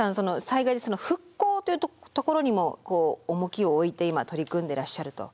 災害で復興というところにも重きを置いて今取り組んでらっしゃると。